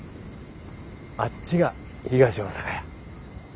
あっちが東大阪や。